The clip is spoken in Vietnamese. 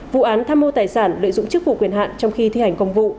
vụ án tham mô tài sản lợi dụng chức vụ quyền hạn trong khi thi hành công vụ